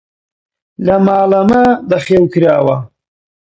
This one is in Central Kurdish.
لە ماڵە مە بەخێو کراوە!